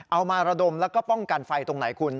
มาระดมแล้วก็ป้องกันไฟตรงไหนคุณ